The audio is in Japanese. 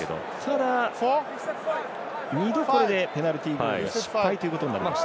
ただ、２度、これでペナルティゴール失敗となりました。